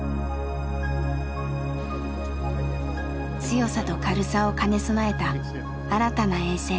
強さと軽さを兼ね備えた新たな衛星。